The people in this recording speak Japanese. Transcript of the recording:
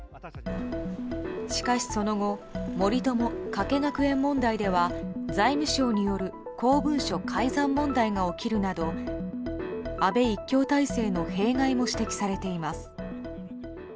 しかし、その後森友・加計学園問題では財務省による公文書改ざん問題が起きるなど安倍一強体制の弊害も指摘されています。